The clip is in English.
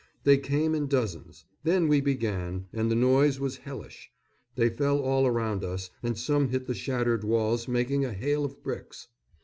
They came in dozens. Then we began, and the noise was hellish. They fell all around us and some hit the shattered walls, making a hail of bricks.